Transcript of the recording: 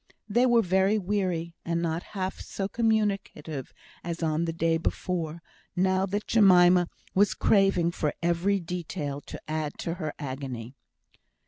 They were very weary; and not half so communicative as on the day before, now that Jemima was craving for every detail to add to her agony.